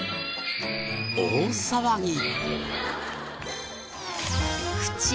大騒ぎ！